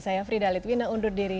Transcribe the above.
saya frida litwina undur diri